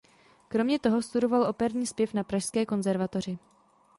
Kromě toho studoval operní zpěv na pražské konzervatoři.